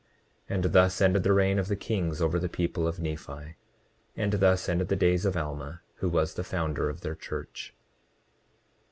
29:47 And thus ended the reign of the kings over the people of Nephi; and thus ended the days of Alma, who was the founder of their church.